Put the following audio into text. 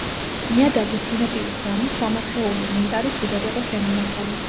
ნიადაგის სინოტივის გამო, სამარხეული ინვენტარი ცუდად იყო შემონახული.